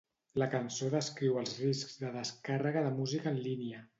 La cançó descriu els riscs de la descàrrega de música en línia.